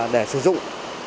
để sử dụng